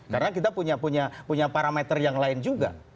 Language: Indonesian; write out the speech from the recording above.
karena kita punya parameter yang lain juga